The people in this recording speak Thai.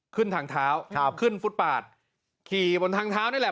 ขึ้นทางเท้าครับขึ้นฟุตปาดขี่บนทางเท้านี่แหละ